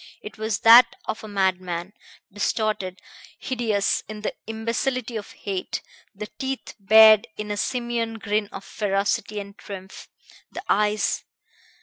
It was that of a madman, distorted, hideous in the imbecility of hate, the teeth bared in a simian grin of ferocity and triumph, the eyes